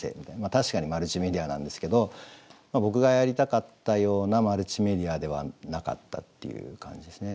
確かにマルチメディアなんですけど僕がやりたかったようなマルチメディアではなかったっていう感じですね。